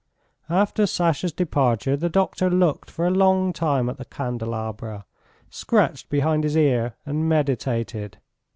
After Sasha's departure the doctor looked for a long time at the candelabra, scratched behind his ear and meditated.